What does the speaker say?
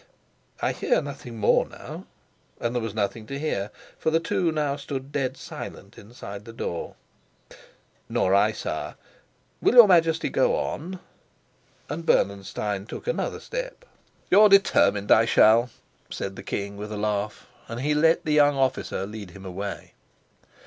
"I hear nothing more now." And there was nothing to hear, for the two now stood dead silent inside the door. "Nor I, sire. Will your Majesty go on?" And Bernenstein took another step. "You're determined I shall," said the king with a laugh, and he let the young officer lead him away.